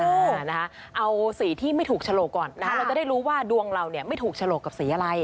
เออนะคะเอาสีที่ไม่ถูกฉลกก่อนนะคะเราจะได้รู้ว่าดวงเราเนี่ยไม่ถูกฉลกกับสีอะไร